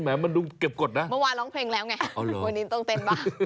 มันดูเก็บกฎนะเมื่อวานร้องเพลงแล้วไงวันนี้ต้องเต้นบ้าง